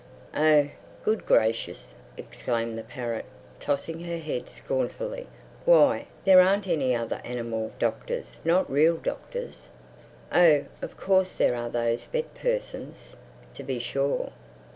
"Oh Good Gracious!" exclaimed the parrot, tossing her head scornfully. "Why, there aren't any other animal doctors—not real doctors. Oh of course there are those vet persons, to be sure.